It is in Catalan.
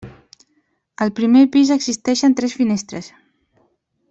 Al primer pis existeixen tres finestres.